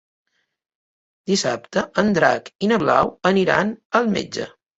Dissabte en Drac i na Blau aniran al metge.